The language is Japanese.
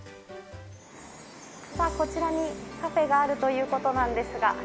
こちらにカフェがあるということなんですが。